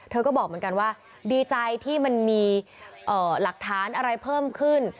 เธอก็บอกเหมือนกันว่าดีใจที่มันมีหลักฐานอะไรเพิ่มขึ้น